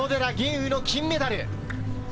雲の金メダル。